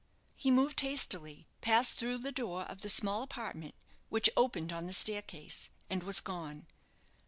He moved hastily, passed through the door of the small apartment which, opened on the staircase, and was gone.